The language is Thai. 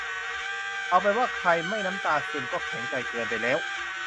เอาเป็นว่าใครไม่น้ำตาซึมก็ใจแข็งเกินไปแล้ว